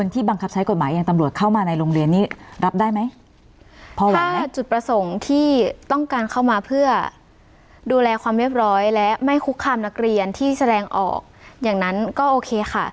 ถ้าจุดประสงค์ที่ต้องการเข้ามาเพื่อดูแลความเรียบร้อยและไม่คุกคามนักเรียนที่แสดงออกอย่างนั้นก็โอเคค่ะ